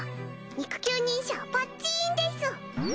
肉球認証ポッチーンです！